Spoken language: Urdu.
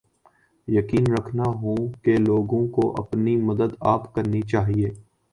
یقین رکھتا ہوں کے لوگوں کو اپنی مدد آپ کرنی چاھیے